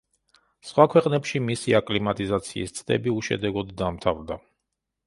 სხვა ქვეყნებში მისი აკლიმატიზაციის ცდები უშედეგოდ დამთავრდა.